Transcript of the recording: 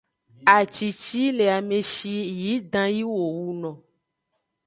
Aci ci yi le ame shi yi ʼdan yi wo wuno.